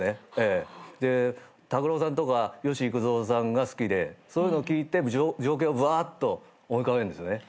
拓郎さんとか吉幾三さんが好きでそういうのを聴いて情景をぶわっと思い浮かべるんですよね。